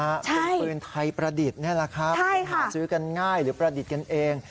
เป็นปืนไทยประดิษฐ์นี่แหละครับคือหาซื้อกันง่ายหรือประดิษฐ์กันเอง